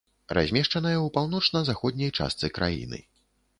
Размешчаная ў паўночна-заходняй частцы краіны.